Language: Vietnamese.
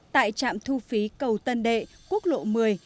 tại trạm thu phí cầu tân đệ quốc lộ một mươi